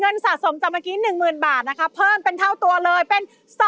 เงินสะสมจากเมื่อกี้๑๐๐๐๐บาทพึ่งเป็นเท่าตัวเลยเป็น